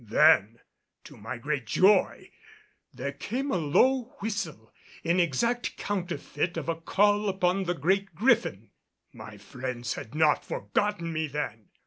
Then to my great joy there came a low whistle in exact counterfeit of a call upon the Great Griffin. My friends had not forgotten me then!